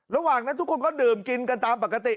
ระหว่างนั้นทุกคนก็ดื่มกินกันตามปกติ